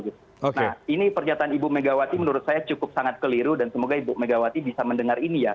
nah ini pernyataan ibu megawati menurut saya cukup sangat keliru dan semoga ibu megawati bisa mendengar ini ya